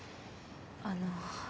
あの。